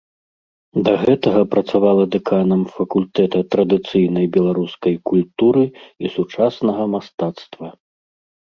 Да гэтага працавала дэканам факультэта традыцыйнай беларускай культуры і сучаснага мастацтва.